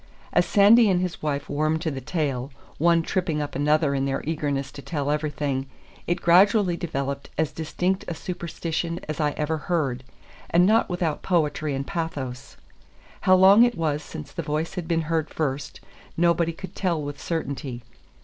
As Sandy and his wife warmed to the tale, one tripping up another in their eagerness to tell everything, it gradually developed as distinct a superstition as I ever heard, and not without poetry and pathos. How long it was since the voice had been heard first, nobody could tell with certainty.